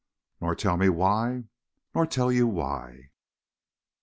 "Nor tell me why?" "Nor tell you why."